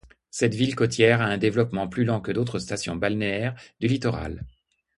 Cette ville côtière a un développement plus lent que d'autres stations balnéaires du littoral.